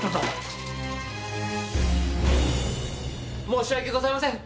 申し訳ございません！